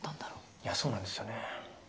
いやそうなんですよね。